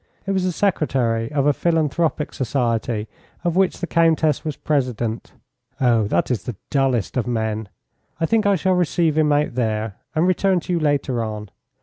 It was the secretary of a philanthropic society of which the Countess was president. "Oh, that is the dullest of men. I think I shall receive him out there, and return to you later on.